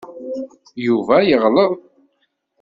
Yuba yeɣleḍ.